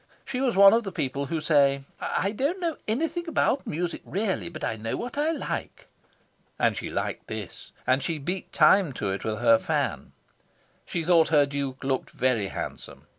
She was one of the people who say "I don't know anything about music really, but I know what I like." And she liked this; and she beat time to it with her fan. She thought her Duke looked very handsome.